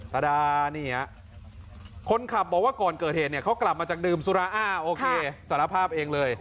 ตาดานี่ฮะคนขับบอกว่าก่อนเกิดเหตุเนี่ยเขากลับมาจากดื่มสุราอ้าวโอเคสารภาพเองเลย